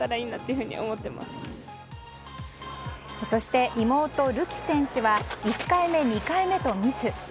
そして、妹・るき選手は１回目、２回目とミス。